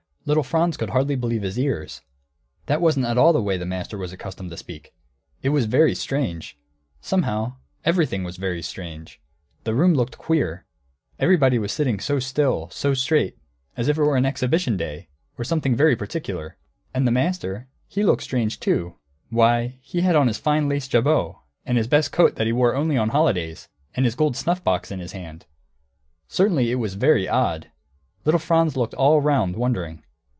Little Franz could hardly believe his ears; that wasn't at all the way the master was accustomed to speak. It was very strange! Somehow everything was very strange. The room looked queer. Everybody was sitting so still, so straight as if it were an exhibition day, or something very particular. And the master he looked strange, too; why, he had on his fine lace jabot and his best coat, that he wore only on holidays, and his gold snuff box in his hand. Certainly it was very odd. Little Franz looked all round, wondering.